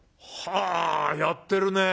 あやってるね。